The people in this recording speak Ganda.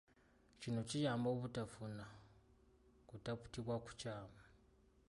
Kino kiyamba obutafuna kutaputibwa kukyamu.